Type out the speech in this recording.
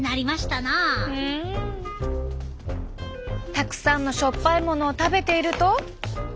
たくさんのしょっぱいものを食べていると。